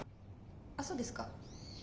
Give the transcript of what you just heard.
あそうですか。